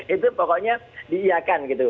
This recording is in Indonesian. itu pokoknya diiyakan gitu